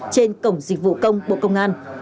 trên cổng dịch vụ công của công an